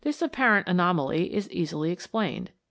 171 apparent anomaly is easily explained.